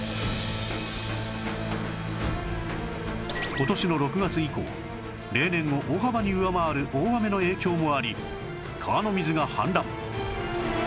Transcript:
今年の６月以降例年を大幅に上回る大雨の影響もあり川の水が氾濫